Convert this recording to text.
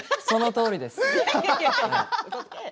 そのとおりです。